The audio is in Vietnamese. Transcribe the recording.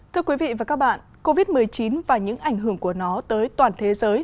thưa quý vị và các bạn covid một mươi chín và những ảnh hưởng của nó tới toàn thế giới